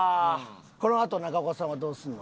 このあと中岡さんはどうするの？